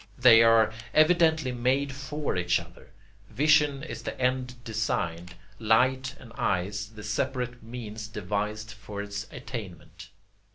They are evidently made FOR each other. Vision is the end designed, light and eyes the separate means devised for its attainment.